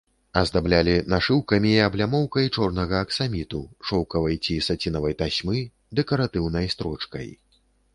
Аздаблялі нашыўкамі і аблямоўкай чорнага аксаміту, шоўкавай ці сацінавай тасьмы, дэкаратыўнай строчкай.